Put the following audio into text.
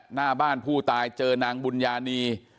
หน้าบ้านผู้ตายเจอนางบุญญานี